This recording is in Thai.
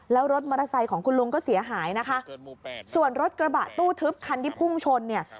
แล้วรถมอเตอร์ไซค์ของคุณลุงก็เสียหายนะคะส่วนรถกระบะตู้ทึบคันที่พุ่งชนเนี่ย